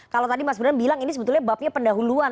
kalau tadi mas bram bilang ini sebetulnya babnya pendahuluan